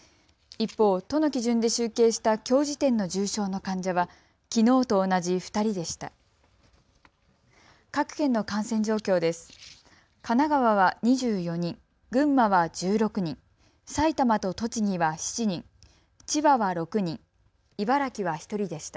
一方、都の基準で集計したきょう時点の重症の患者はきのうと同じ２人でした。